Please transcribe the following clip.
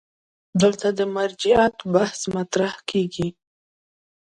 دلته د مرجعیت بحث مطرح کېږي.